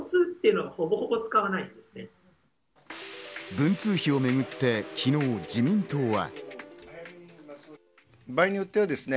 文通費をめぐって昨日、自民党は。